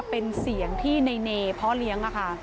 เป็นเสียงที่ในเนพ่อเลี้ยงค่ะ